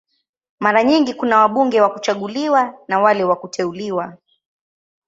Mara nyingi kuna wabunge wa kuchaguliwa na wale wa kuteuliwa.